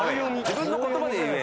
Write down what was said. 自分の言葉で言え。